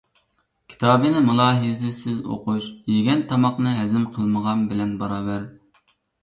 كىتابنى مۇلاھىزىسىز ئوقۇش، يېگەن تاماقنى ھەزىم قىلمىغان بىلەن باراۋەر.